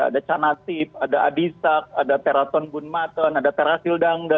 ada canasib ada adisak ada teraton bunmaten ada terasil dangda